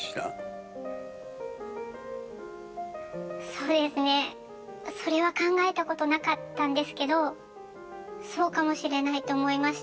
そうですねそれは考えたことなかったんですけどそうかもしれないと思いました。